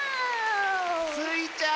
スイちゃん